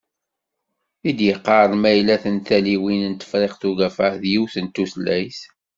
I d-yeqqaren ma yella tantaliwin n Tefriqt Ugafa d yiwet n tutlayt?